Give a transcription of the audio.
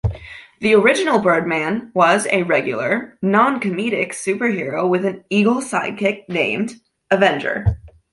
The original Birdman was a regular, non-comedic super-hero with an eagle sidekick named Avenger.